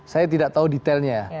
saya tidak tahu detailnya